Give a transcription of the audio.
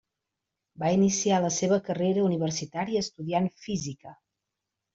Va iniciar la seva carrera universitària estudiant Física.